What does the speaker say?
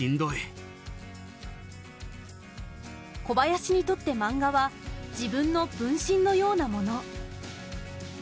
小林にとってマンガは自分の分身のようなもの。